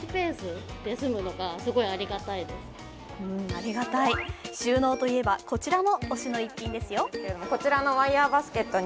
ありがたい、収納といえばこちらも推しの一品ですよ。